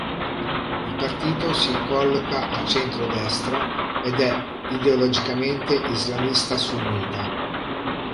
Il partito si colloca a centro-destra ed è ideologicamente islamista sunnita.